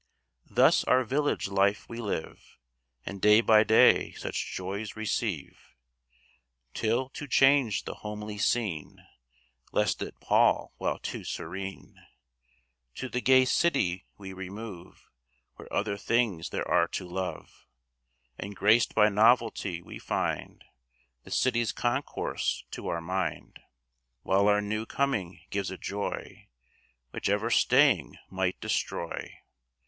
Thus our village life we live, And day by day such joys receive; Till, to change the homely scene, Lest it pall while too serene, To the gay city we remove, Where other things there are to love; And graced by novelty, we find The city's concourse to our mind; While our new coming gives a joy Which ever staying might destroy.